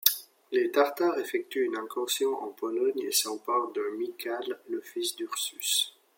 Les Tartares effectuent une incursion en Pologne et s’emparent de Mikall, le fils d’Ursus.